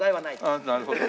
ああなるほどね。